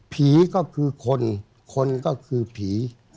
ผีก็คือคนคนก็คือผี